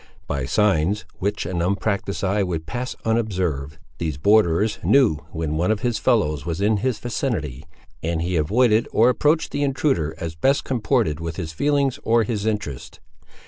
By signs, which an unpractised eye would pass unobserved, these borderers knew when one of his fellows was in his vicinity, and he avoided or approached the intruder as best comported with his feelings or his interests.